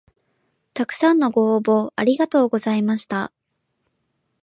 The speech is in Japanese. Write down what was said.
たくさんのご応募ありがとうございました